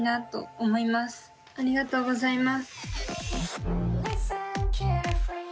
ありがとうございます。